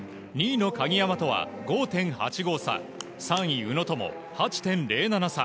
２位の鍵山とは５．８５差、３位宇野とも８．０７差。